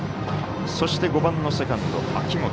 そして５番のセカンド、秋元。